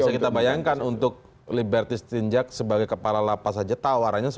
nah bisa kita bayangkan untuk liberty stinjak sebagai kepala lapas saja tawarannya sepuluh miliar